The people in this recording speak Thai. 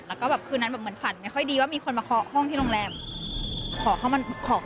ดิฉันเคยเจอดิฉันรู้สึกแบบมายังไงนอนเนี้ยโอ้ยกระดิกกระดิกกระดิก